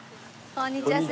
こんにちは。